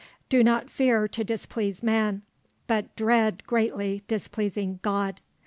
Do not fear to displease man, but dread greatly displeasing God.